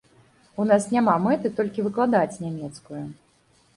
У нас няма мэты толькі выкладаць нямецкую.